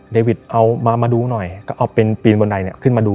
เดวิทเอามาดูหน่อยก็เอาเป็นปีนบันไดเนี่ยขึ้นมาดู